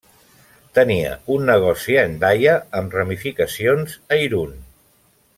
Tenia un negoci a Hendaia amb ramificacions a Irun.